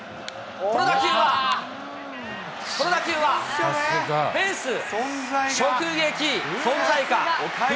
この打球は、この打球は、フェンス直撃、存在感、おかえり。